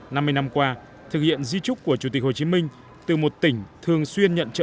năm mươi năm qua thực hiện di trúc của chủ tịch hồ chí minh từ một tỉnh thường xuyên nhận trợ